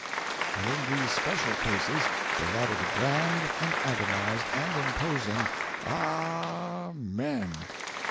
and in these special cases they added a grand and agonised and imposing "A a a a MEN!"